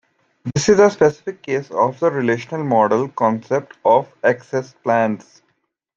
This is a specific case of the relational model concept of access plans.